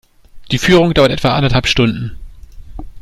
Die Führung dauert etwa anderthalb Stunden.